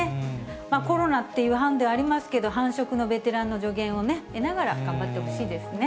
コロナというハンデはありますけれども、繁殖のベテランの助言を得ながら頑張ってほしいですね。